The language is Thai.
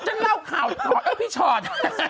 เช่นเล่าข่าวต่อเอาพี่ชอต